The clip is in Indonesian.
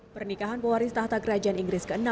pernikahan pewaris tahta kerajaan inggris ke enam